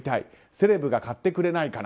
セレブが買ってくれないかな。